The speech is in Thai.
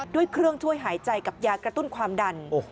ด้วยเครื่องช่วยหายใจกับยากระตุ้นความดัน